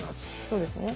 そうですね。